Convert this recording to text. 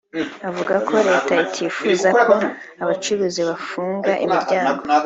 avuga ko Leta itifuza ko abacuruzi bafunga imiryango